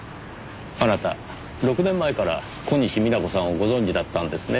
あなた６年前から小西皆子さんをご存じだったんですねぇ。